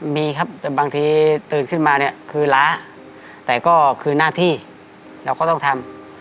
มีครับแต่บางทีตื่นขึ้นมาเนี่ยคือล้าแต่ก็คือหน้าที่เราก็ต้องทำ